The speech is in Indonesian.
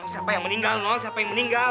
siapa yang meninggal siapa yang meninggal